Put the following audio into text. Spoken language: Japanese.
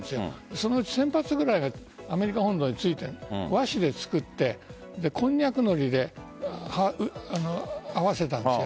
そのうち１０００発くらいがアメリカ本土に着いて和紙で作ってこんにゃくのりで合わせたんです。